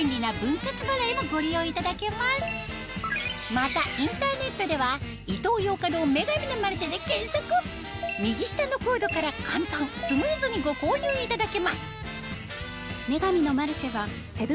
またインターネットでは右下のコードから簡単スムーズにご購入いただけます